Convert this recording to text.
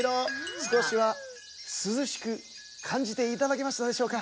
すこしはすずしくかんじていただけましたでしょうか？